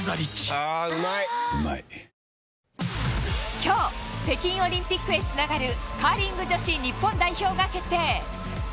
今日北京オリンピックへつながるカーリング女子日本代表が決定。